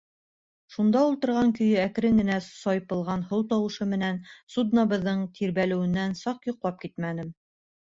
Шунда ултырған көйө әкрен генә сайпылған һыу тауышы менән суднобыҙҙың тирбәлеүенән саҡ йоҡлап китмәнем.